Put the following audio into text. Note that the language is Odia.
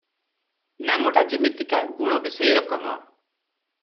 ନାମଟା ଯିମିତିକା, ଗୁଣ ବି ସେଇ ରକମ ।